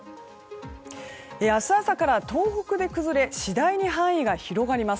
明日朝から東北で崩れ次第に範囲が広がります。